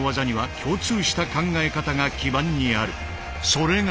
それが。